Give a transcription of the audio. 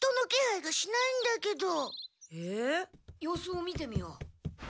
様子を見てみよう。